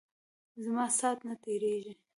زما سات نه تیریژی.